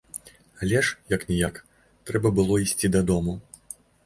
Але ж як-ніяк трэба было ісці дадому.